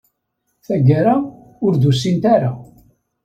Tagara, ur d-usint ara.